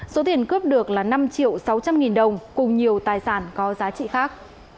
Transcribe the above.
số tiền cướp được là năm triệu sáu trăm linh nghìn đồng cùng nhiều tài sản có giá trị khác